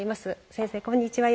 先生、こんにちは。